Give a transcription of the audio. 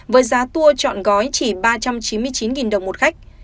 với giá tour chọn gói chỉ ba trăm chín mươi chín đồng một khách